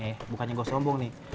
eh bukannya gua sombong nih